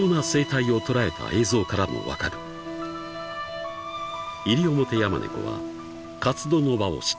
［イリオモテヤマネコは活動の場を湿地に移した］